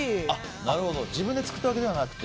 自分で作ったわけではなくて。